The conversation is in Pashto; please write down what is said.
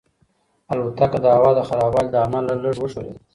الوتکه د هوا د خرابوالي له امله لږه وښورېده.